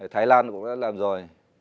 thái lan cũng đã làm rồi